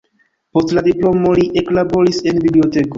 Post la diplomo li eklaboris en biblioteko.